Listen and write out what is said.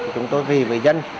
chúng tôi về với dân